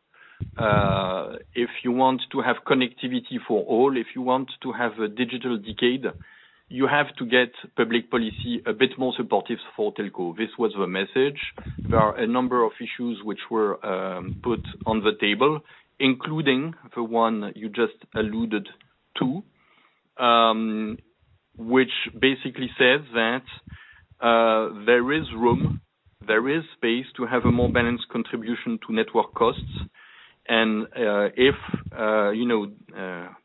If you want to have connectivity for all, if you want to have a digital decade, you have to get public policy a bit more supportive for telco. This was the message. There are a number of issues which were put on the table, including the one you just alluded to, which basically says that there is room, there is space to have a more balanced contribution to network costs. If you know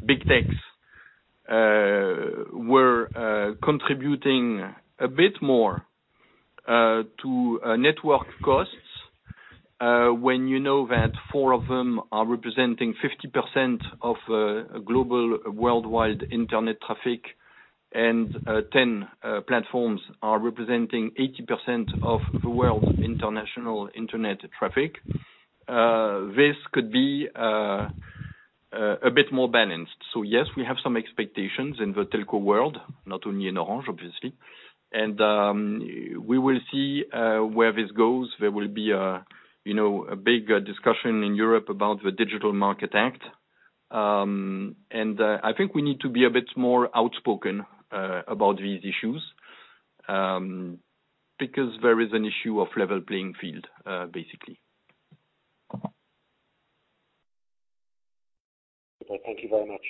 big techs were contributing a bit more to network costs, when you know that four of them are representing 50% of global worldwide internet traffic, and 10 platforms are representing 80% of the world's international internet traffic, this could be a bit more balanced. Yes, we have some expectations in the telco world, not only in Orange, obviously. We will see where this goes. There will be a big discussion in Europe about the Digital Markets Act. I think we need to be a bit more outspoken about these issues because there is an issue of level playing field, basically. Okay. Thank you very much.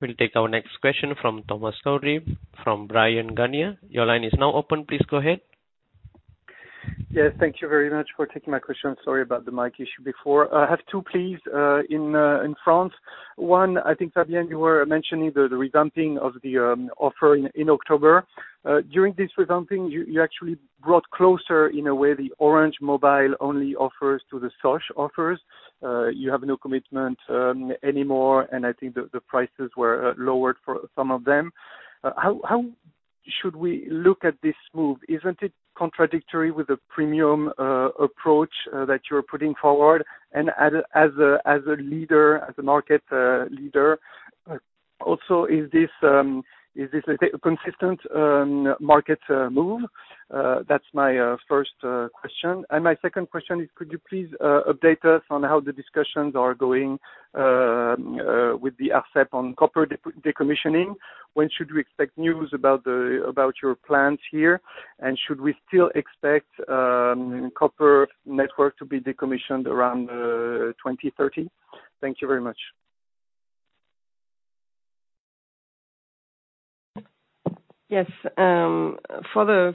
We'll take our next question from Thomas Coudry from Bryan Garnier & Co. Your line is now open. Please go ahead. Yes, thank you very much for taking my question. Sorry about the mic issue before. I have two, please, in France. One, I think, Fabienne, you were mentioning the revamping of the offer in October. During this revamping, you actually brought closer, in a way, the Orange mobile-only offers to the Sosh offers. You have no commitment anymore, and I think the prices were lowered for some of them. How should we look at this move? Isn't it contradictory with the premium approach that you're putting forward and as a leader, as a market leader? Also, is this a consistent market move? That's my first question. My second question is could you please update us on how the discussions are going with the ARCEP on copper decommissioning? When should we expect news about your plans here? Should we still expect copper network to be decommissioned around 2030? Thank you very much. Yes. For the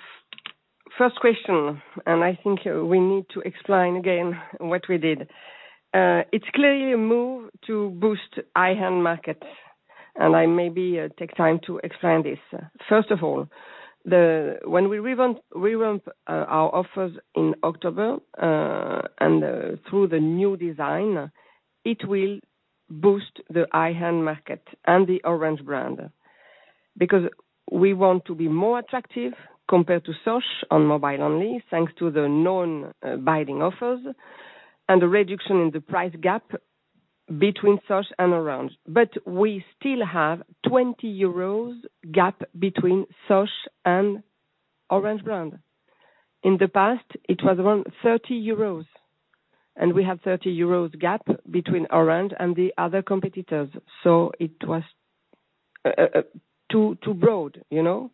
first question, I think we need to explain again what we did. It's clearly a move to boost high-end market, and I maybe take time to explain this. First of all, when we revamp our offers in October and through the new design, it will boost the high-end market and the Orange brand. Because we want to be more attractive compared to Sosh on mobile only, thanks to the non-binding offers and the reduction in the price gap between Sosh and Orange. But we still have 20 euros gap between Sosh and Orange brand. In the past, it was around 30 euros, and we have 30 euros gap between Orange and the other competitors, so it was too broad, you know?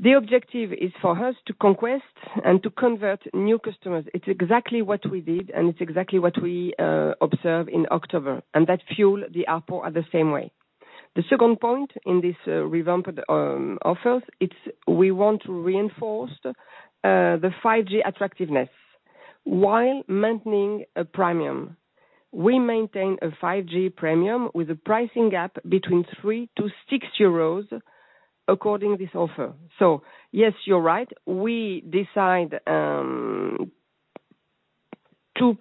The objective is for us to conquest and to convert new customers. It's exactly what we did, and it's exactly what we observed in October, and that fuels the ARPU in the same way. The second point in these revamped offers, it's we want to reinforce the 5G attractiveness while maintaining a premium. We maintain a 5G premium with a pricing gap between 3-6 euros according to this offer. So yes, you're right. We decide to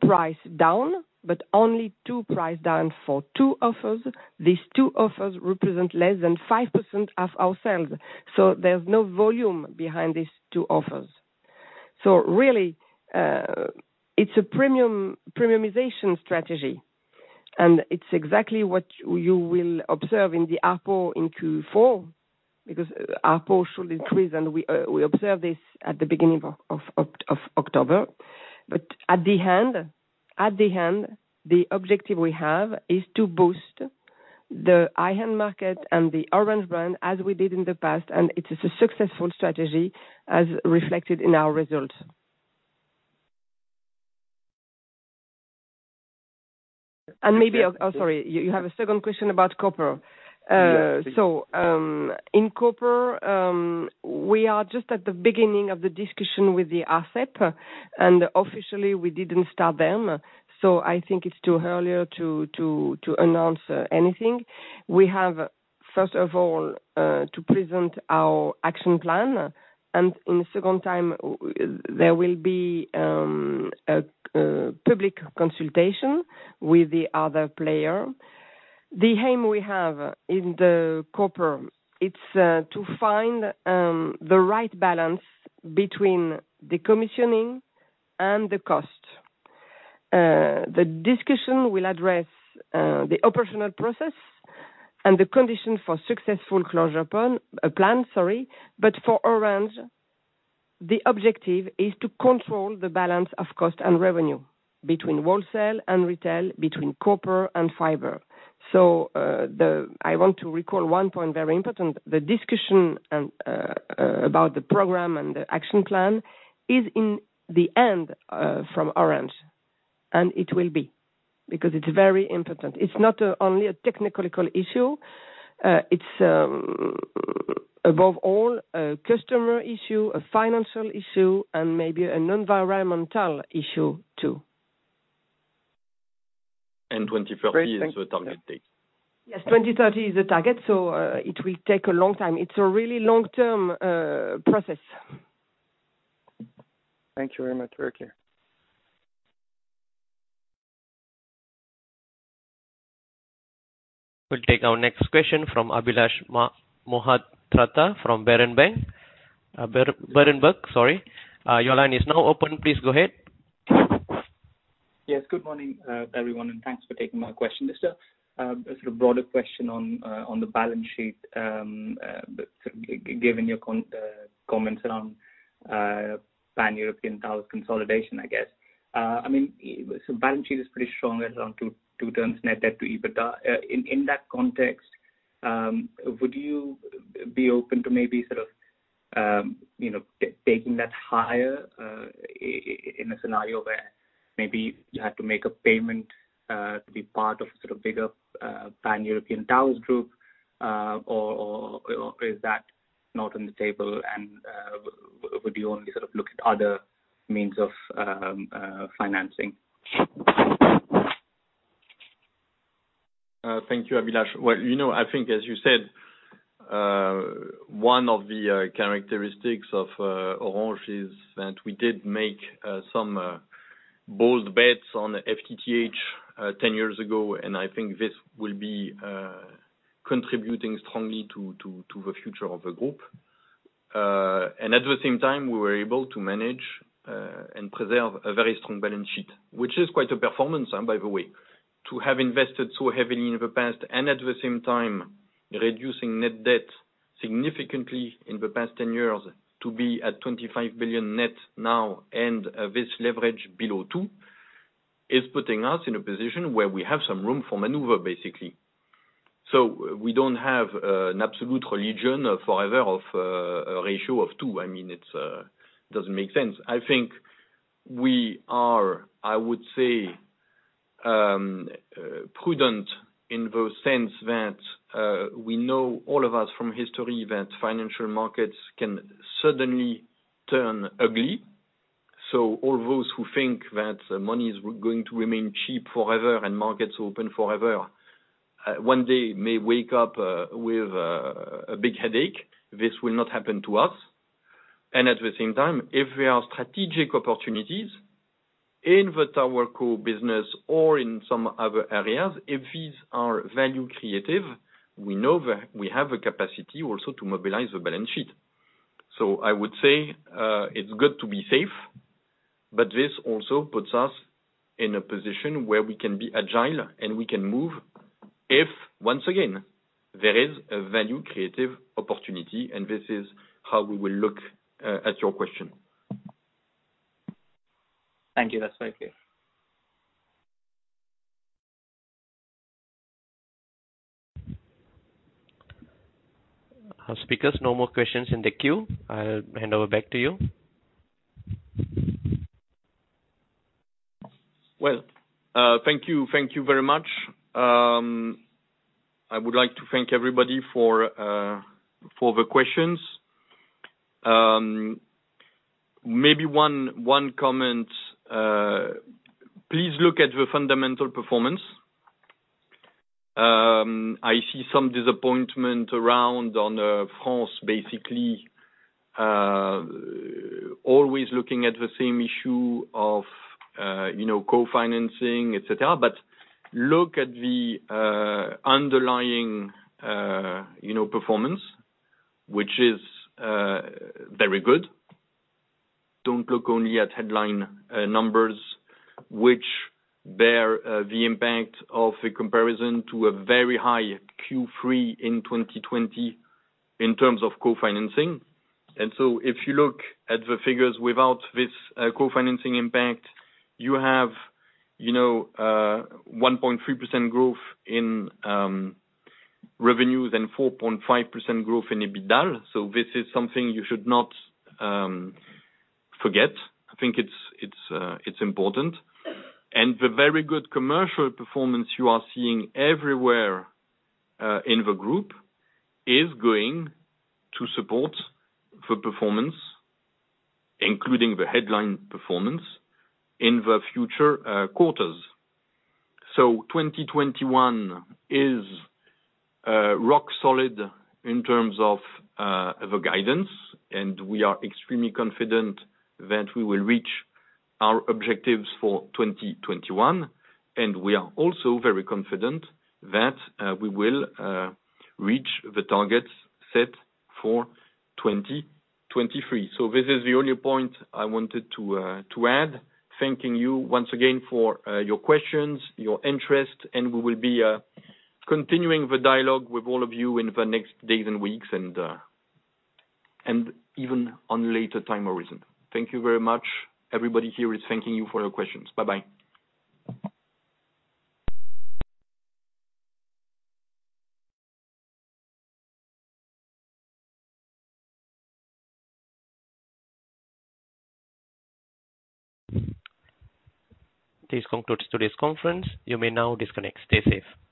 price down, but only to price down for two offers. These two offers represent less than 5% of our sales, so there's no volume behind these two offers. Really, it's a premium premiumization strategy, and it's exactly what you will observe in the ARPU in Q4 because ARPU should increase, and we observed this at the beginning of October. On the other hand, the objective we have is to boost the high-end market and the Orange brand as we did in the past, and it is a successful strategy as reflected in our results. Maybe. Oh, sorry. You have a second question about copper. Yes, please. In copper, we are just at the beginning of the discussion with the ARCEP, and officially we didn't start them, so I think it's too early to announce anything. We have, first of all, to present our action plan. In the second time, there will be a public consultation with the other player. The aim we have in the copper, it's to find the right balance between the decommissioning and the cost. The discussion will address the operational process and the condition for successful closure plan. For Orange, the objective is to control the balance of cost and revenue between wholesale and retail, between copper and fiber. I want to recall one point, very important. The discussion and about the program and the action plan is in the end from Orange, and it will be, because it's very important. It's not only a technical issue. It's above all a customer issue, a financial issue, and maybe an environmental issue too. 2030 is the target date. Yes. 2030 is the target, so it will take a long time. It's a really long-term process. Thank you very much. Very clear. We'll take our next question from Abhilash Mohapatra from Berenberg Bank. Berenberg Bank, sorry. Your line is now open. Please go ahead. Yes. Good morning, everyone, and thanks for taking my question. Just sort of broader question on the balance sheet, given your comments around Pan-European towers consolidation, I guess. I mean, balance sheet is pretty strong around two turns net debt to EBITDA. In that context, would you be open to maybe sort of, you know, taking that higher, in a scenario where maybe you had to make a payment to be part of sort of bigger Pan-European Towers Group, or is that not on the table and would you only sort of look at other means of financing? Thank you, Abhilash. Well, you know, I think, as you said, one of the characteristics of Orange is that we did make some bold bets on FTTH 10 years ago, and I think this will be contributing strongly to the future of the group. At the same time, we were able to manage and preserve a very strong balance sheet, which is quite a performance, by the way. To have invested so heavily in the past and at the same time reducing net debt significantly in the past 10 years to be at 25 billion net now and this leverage below two is putting us in a position where we have some room for maneuver, basically. We don't have an absolute religion forever of a ratio of two. I mean, it doesn't make sense. I think we are, I would say, prudent in the sense that we know all of us from history that financial markets can suddenly turn ugly. All those who think that money is going to remain cheap forever and markets open forever, one day may wake up with a big headache. This will not happen to us. At the same time, if there are strategic opportunities in the tower co business or in some other areas, if these are value creative, we know that we have a capacity also to mobilize the balance sheet. I would say, it's good to be safe. This also puts us in a position where we can be agile and we can move if once again, there is a value creative opportunity, and this is how we will look at your question. Thank you. That's very clear. There are no more questions in the queue. I'll hand it back over to you. Well, thank you. Thank you very much. I would like to thank everybody for the questions. Maybe one comment. Please look at the fundamental performance. I see some disappointment around on France, basically, always looking at the same issue of, you know, co-financing, et cetera. Look at the underlying, you know, performance, which is very good. Don't look only at headline numbers, which bear the impact of the comparison to a very high Q3 in 2020 in terms of co-financing. If you look at the figures without this co-financing impact, you have, you know, 1.3% growth in revenue, then 4.5% growth in EBITDA. This is something you should not forget. I think it's important. The very good commercial performance you are seeing everywhere in the group is going to support the performance, including the headline performance in the future quarters. 2021 is rock solid in terms of the guidance, and we are extremely confident that we will reach our objectives for 2021. We are also very confident that we will reach the targets set for 2023. This is the only point I wanted to add, thanking you once again for your questions, your interest, and we will be continuing the dialogue with all of you in the next days and weeks and even on later time or reason. Thank you very much. Everybody here is thanking you for your questions. Bye-bye. This concludes today's conference. You may now disconnect. Stay safe.